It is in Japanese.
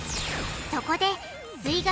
そこです